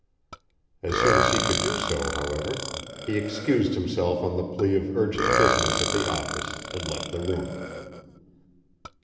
As soon as he could do so, however, he excused himself on the plea of urgent business at the office, and left the room.